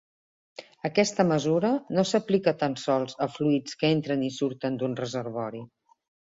Aquesta mesura no s’aplica tan sols a fluids que entren i surten d’un reservori.